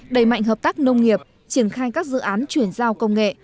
đẩy mạnh hợp tác nông nghiệp triển khai các dự án chuyển giao công nghệ